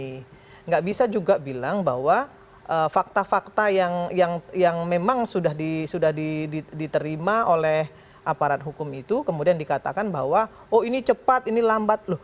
tidak bisa juga bilang bahwa fakta fakta yang memang sudah diterima oleh aparat hukum itu kemudian dikatakan bahwa oh ini cepat ini lambat loh